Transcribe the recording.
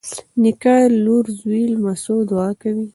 نیکه د لور، زوی، لمسيو دعا کوي.